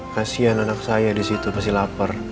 kasian anak saya disitu pasti lapar